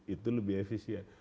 itu lebih efisien